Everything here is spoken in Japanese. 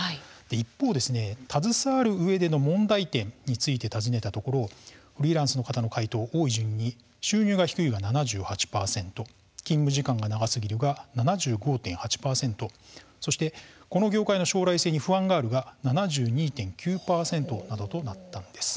一方、携わるうえでの問題点について尋ねたところフリーランスの方の回答多い順にに「収入が低い」が７８％「勤務時間が長すぎる」が７５．８％そして「この業界の将来性に不安がある」が７２．９％などとなったんです。